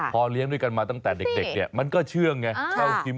พอเลี้ยงด้วยกันมาตั้งแต่เด็กเนี่ยมันก็เชื่องไง